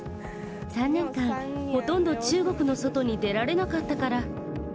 ３年間、ほとんど中国の外に出られなかったから。